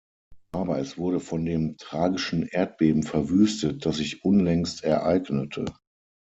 Aber es wurde von dem tragischen Erdbeben verwüstet, das sich unlängst ereignete.